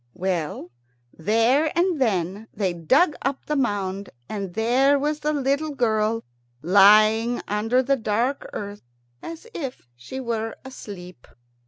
Well, there and then they dug up the mound, and there was the little girl lying under the dark earth as if she were asleep.